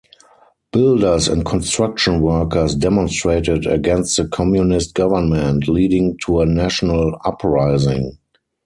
Builders and construction workers demonstrated against the communist government, leading to a national uprising.